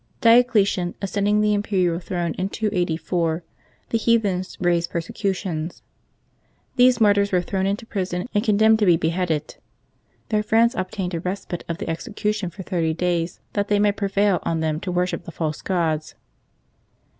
Diocletian ascending the imperial throne in 284, the heathens raised persecutions. These martyrs were thrown into prison, and condemned to be beheaded. Their friends obtained a respite of the execution for thirty days, that they might prevail on them to worship the false gods.